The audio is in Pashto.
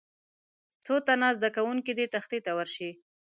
څو تنه زده کوونکي دې تختې ته ورشي.